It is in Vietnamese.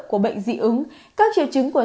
của bệnh dị ứng các triệu chứng của